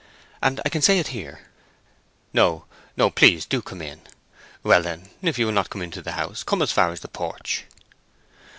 "And I can say it here." "No, no. Please do come in. Well, then, if you will not come into the house, come as far as the porch."